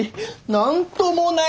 何ともない！